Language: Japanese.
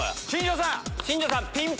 新庄さん。